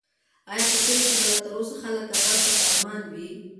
ایا په کلي کې به لا تر اوسه خلک کباب ته په ارمان وي؟